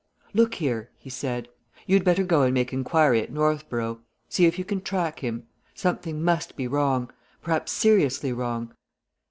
"Look here!" he said. "You'd better go and make inquiry at Northborough. See if you can track him. Something must be wrong perhaps seriously wrong.